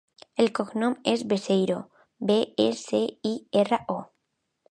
El cognom és Beceiro: be, e, ce, e, i, erra, o.